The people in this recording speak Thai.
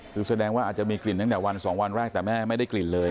คือแสดงว่าอาจจะมีกลิ่นตั้งแต่วันสองวันแรกแต่แม่ไม่ได้กลิ่นเลย